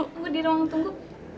tunggu di ruang tunggu